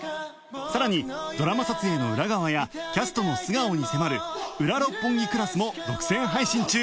さらにドラマ撮影の裏側やキャストの素顔に迫る『ウラ六本木クラス』も独占配信中